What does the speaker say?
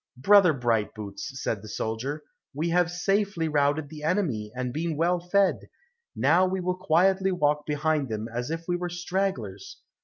"Brother Bright boots," said the soldier, "we have safely routed the enemy and been well fed, now we will quietly walk behind them as if we were stragglers!"